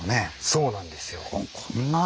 そうなんですよ。